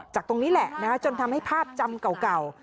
ตรงนี้แหละจนทำให้ภาพจำเก่า